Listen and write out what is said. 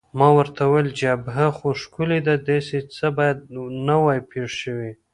ما ورته وویل: جبهه خو ښکلې ده، داسې څه باید نه وای پېښ شوي.